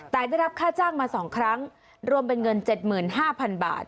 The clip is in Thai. แต่ได้รับค่าจ้างมาสองครั้งรวมเป็นเงินเจ็ดหมื่นห้าพันบาท